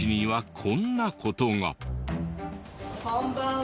こんばんは。